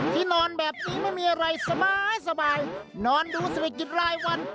ที่นอนแบบนี้ไม่มีอะไรสบายนอนดูเศรษฐกิจรายวัน